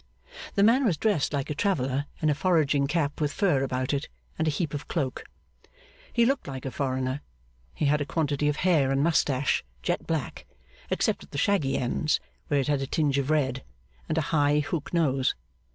The man was dressed like a traveller, in a foraging cap with fur about it, and a heap of cloak. He looked like a foreigner. He had a quantity of hair and moustache jet black, except at the shaggy ends, where it had a tinge of red and a high hook nose.